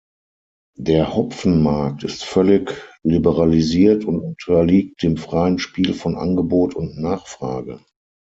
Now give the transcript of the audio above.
Der Hopfenmarkt ist völlig liberalisiert und unterliegt dem freien Spiel von Angebot und Nachfrage.